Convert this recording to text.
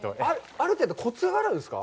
ある程度コツがあるんですか？